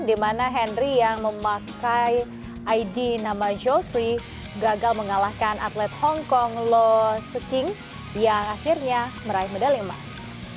di mana henry yang memakai id nama georthree gagal mengalahkan atlet hong kong lo suking yang akhirnya meraih medali emas